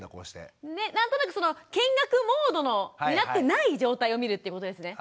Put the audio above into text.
何となくその見学モードになってない状態を見るってことですね。